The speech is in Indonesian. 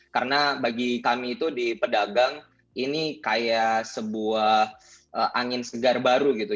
karena bagi kami itu di perdagang ini kayak sebuah angin segar baru gitu